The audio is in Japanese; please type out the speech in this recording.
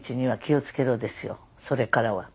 それからは。